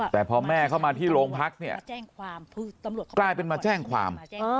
แต่พอแม่เข้ามาที่โรงพักเนี่ยกลายเป็นมาแจ้งความ